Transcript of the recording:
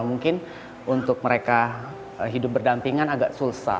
mungkin untuk mereka hidup berdampingan agak susah